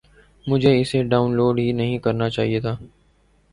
مجھے اسے download ہی نہیں کرنا چاہیے تھا